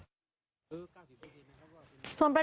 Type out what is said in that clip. และก็คือว่าถึงแม้วันนี้จะพบรอยเท้าเสียแป้งจริงไหม